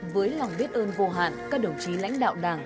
với lòng biết ơn vô hạn các đồng chí lãnh đạo đảng